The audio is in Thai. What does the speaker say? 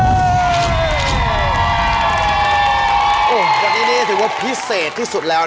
วันนี้นี่ถือว่าพิเศษที่สุดแล้วนะ